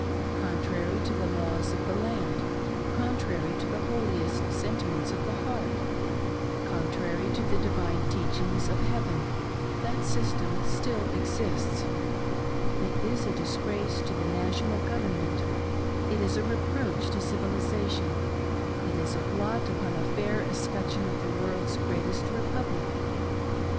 Contrary to the laws of the land ; contsrary to the holiest sentiments of the heart ; contrary to the divine teachings of Heaven, that system still 'exists ! It is a disgrace to the National Government ; it is a reproach to Civilisation ; it is a blot upon the fair escutcheon of the World's Greatest Republic